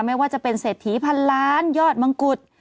ไม่ว่าจะเป็นเศรษฐีพันล้านยอดมังกุฎ